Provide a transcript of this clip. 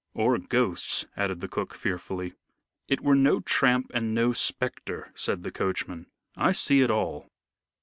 "Or ghosts," added the cook, fearfully. "It were no tramp and no spectre," said the coachman. "I see it all."